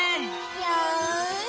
よし！